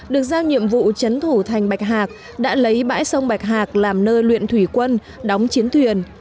được giao nhiệm vụ chấn thủ thành bạch hạc đã lấy bãi sông bạch hạc làm nơi luyện thủy quân đóng chiến thuyền